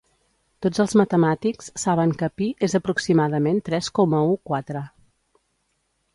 Tots els matemàtics saben que Pi és aproximadament tres coma u quatre